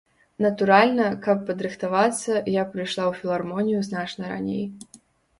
Натуральна, каб падрыхтавацца, я прыйшла ў філармонію значна раней.